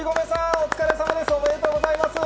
お疲れさまです。